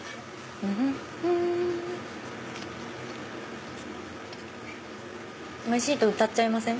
フフッフンおいしいと歌っちゃいません？